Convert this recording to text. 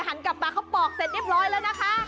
หันกลับมาเขาปอกเสร็จเรียบร้อยแล้วนะคะ